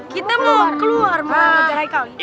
kita mau keluar pak ustadz